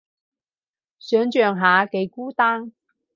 想像下幾孤單